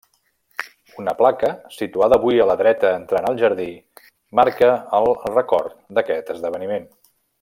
Una placa, situada avui a la dreta entrant al jardí, marca el record d'aquest esdeveniment.